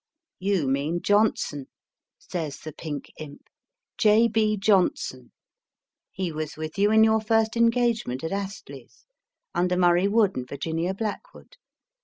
You mean Johnson, says the pink imp ; J. B. Johnson. He was with you in your first engagement at Astley s, under Murray Wood and Virginia Blackwood.